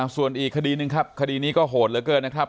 ส่วนอีกคดีหนึ่งครับคดีนี้ก็โหดเหลือเกินนะครับ